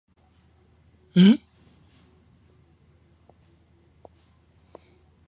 The ship was later sunk and is now a recreational dive spot.